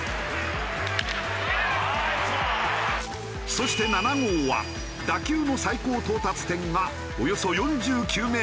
そして７号は打球の最高到達点がおよそ４９メートル。